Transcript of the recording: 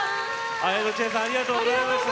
綾戸智恵さんありがとうございました。